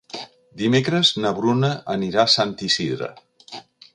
Dimecres na Bruna anirà a Sant Isidre.